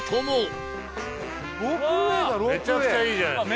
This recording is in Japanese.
めちゃくちゃいいじゃないですか。